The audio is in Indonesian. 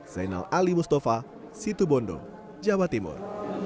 zainal ali mustafa situ bondo jawa timur